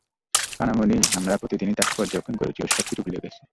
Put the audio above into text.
কানমণি, আমরা প্রতিদিনই তাকে পর্যবেক্ষণ করছি ও সবকিছু ভুলে গেছে।